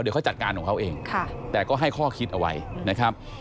เดี๋ยวเขาจัดการของเขาเองแต่ก็ให้ข้อคิดเอาไว้นะครับ